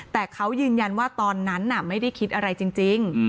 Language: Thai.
แต่เขายืนยันว่าตอนนั้นไม่ได้คิดอะไรจริง